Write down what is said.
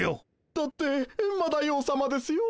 だってエンマ大王さまですよ。